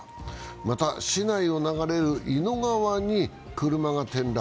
また、市内を流れる伊野川に車が転落。